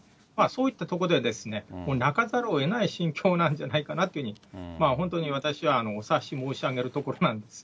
そういったとこで、泣かざるをえない心境なんじゃないかなというふうに、本当に私はお察し申し上げるところなんです。